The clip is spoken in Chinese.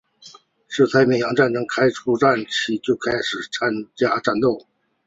自太平洋战争开战初期就开始参加战斗。